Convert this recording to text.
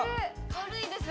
軽いです。